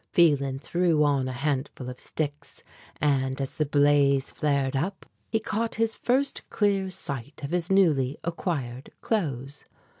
Phelan threw on a handful of sticks and, as the blaze flared up, he caught his first clear sight of his newly acquired clothes.